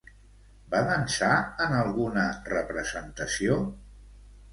Va dansar en alguna representació?